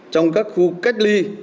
trong các khu cách ly